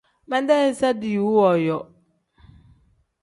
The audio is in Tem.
Medee iza diiwu wooyo.